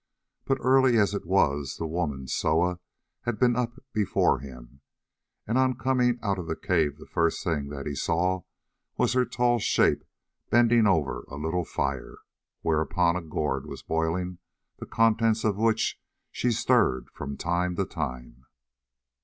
But, early as it was, the woman Soa had been up before him, and on coming out of the cave the first thing that he saw was her tall shape bending over a little fire, whereon a gourd was boiling, the contents of which she stirred from time to time.